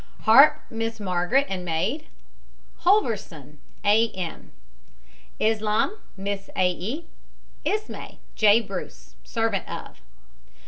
HARP, MISS MARGARET, and maid. HOLVERSON, A. M. ISLAM, MISS A. E. ISMAY, J. BRUCE, servant of.